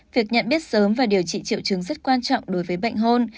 việc nhận biết sớm và điều trị triệu chứng rất quan trọng đối với bệnh hôn